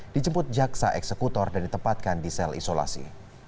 dijemput jaksa eksekutor dan ditempatkan di sel isolasi